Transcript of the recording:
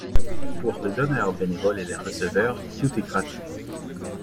Pour le donneur bénévole et le receveur, tout est gratuit.